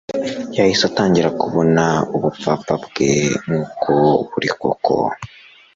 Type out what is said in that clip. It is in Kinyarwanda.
yahise atangira kubona ubupfapfa bwe nk'uko buri koko